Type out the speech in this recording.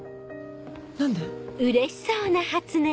何で？